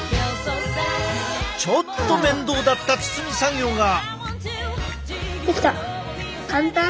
ちょっと面倒だった包み作業が。